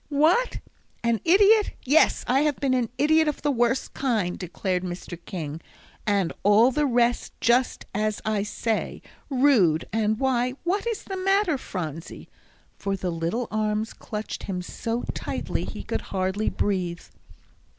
"What? An idiot? Yes, I have been an idiot of the worst kind," declared Mr. King, "and all the rest just as I say; rude and why, what is the matter, Phronsie?" for the little arms clutched him so tightly he could hardly breathe.